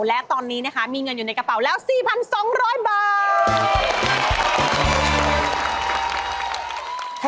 และตอนนี้นะคะมีเงินอยู่ในกระเป๋าแล้ว๔๒๐๐บาท